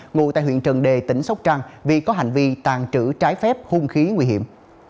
ngụ tại huyện trần đề tỉnh sóc trăng vì có hành vi tàn trữ trái phép hung khí nguy hiểm